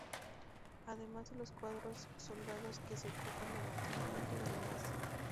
Además de los cuatro soldados que se ocupan del mantenimiento de la base.